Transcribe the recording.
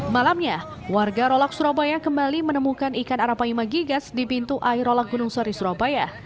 malamnya warga rolak surabaya kembali menemukan ikan arapaima gigas di pintu air rolak gunung sari surabaya